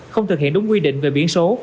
không thực hiện đúng quy định về biển số